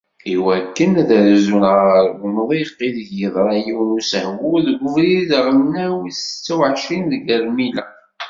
Iwakken ad rzun ɣer umḍiq ideg yeḍra yiwen n usehwu deg ubrid aɣelnaw wis setta u εecrin deg Rmila.